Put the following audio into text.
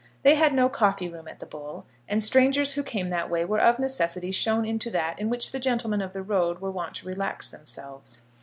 They had no coffee room at the Bull, and strangers who came that way were of necessity shown into that in which the gentlemen of the road were wont to relax themselves.